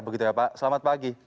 begitu ya pak selamat pagi